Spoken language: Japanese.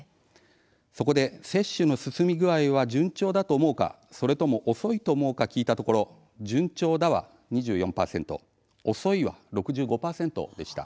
そこで、接種の進み具合は順調だと思うかそれとも遅いと思うか聞いたところ、順調だは２４％遅いは６５％でした。